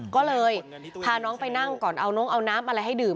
ก็เลยพาน้องไปนั่งก่อนเอาน้องเอาน้ำอะไรให้ดื่ม